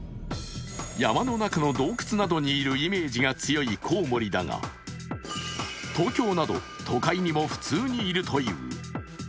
山の中の洞窟などにいるイメージが強いコウモリだが東京など都会にも普通にいるという。